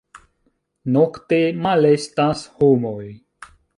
Nokte malestas homoj.